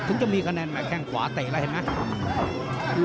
ถึงจะมีคะแนนมาแข้งขวาเตะแล้วเห็นไหม